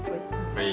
はい。